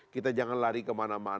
kita jangan lari kemana mana